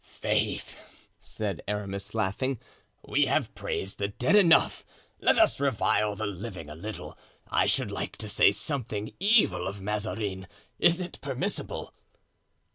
"Faith," said Aramis, laughing, "we have praised the dead enough, let us revile the living a little; I should like to say something evil of Mazarin; is it permissible?"